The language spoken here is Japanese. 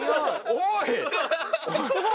おい！